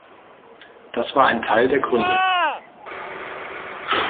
Das war ein Teil der Gründe.